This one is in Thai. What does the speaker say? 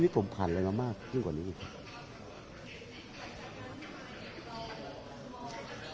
ผมผ่านเรื่องมากขึ้นกว่านี้ครับ